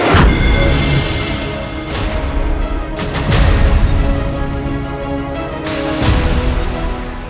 aku mau rujuk